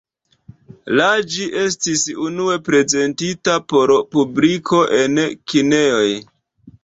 La ĝi estis unue prezentita por publiko en kinejoj.